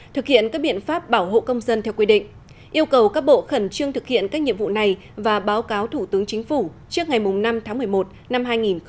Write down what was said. thực hiện các biện pháp bảo hộ công dân theo quy định yêu cầu các bộ khẩn trương thực hiện các nhiệm vụ này và báo cáo thủ tướng chính phủ trước ngày năm tháng một mươi một năm hai nghìn hai mươi